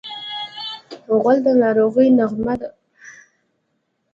غول د ناروغۍ نغمه ده.